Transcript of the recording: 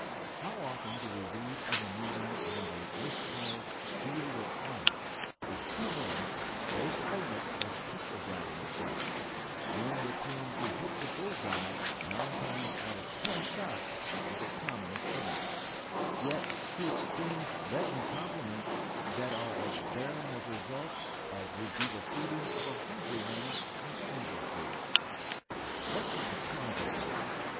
How often do we read of a meeting on the miscalled "field of honor" of two men, both famous as pistol gallery shots; men with whom to hit the "bull's eye" nine times out of ten shots is a common occurrence, yet who exchange leaden compliments that are as barren of results as would be the feeding of a hungry man on "angel food." What is the cause of this?